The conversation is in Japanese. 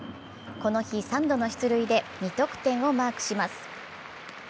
この日、３度の出塁で２得点をマークします。